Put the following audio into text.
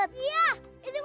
iya itu kembangannya bagus